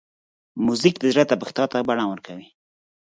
موزیک د زړه تپښتا ته بڼه ورکوي.